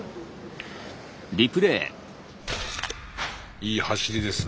いい走りですね